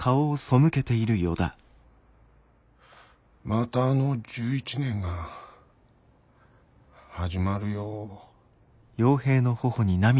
またあの１１年が始まるよ。